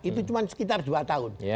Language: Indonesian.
itu cuma sekitar dua tahun